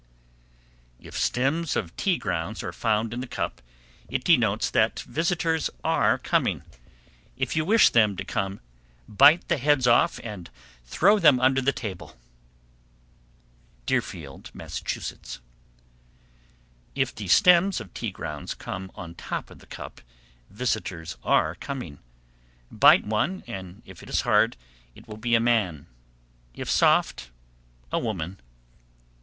If stems of tea grounds are found in the cup, it denotes that visitors are coming. If you wish them to come, bite the heads off and throw them under the table. Deerfield, Mass. 773. If the stems of tea grounds come on top of the cup, visitors are coming. Bite one, and if it is hard, it will be a man; if soft, a woman.